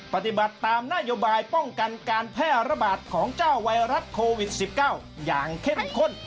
ปฏิบัติตามนโยบายป้องกันการแพร่ระบาดของเจ้าไวรัสโควิด๑๙อย่างเข้มข้น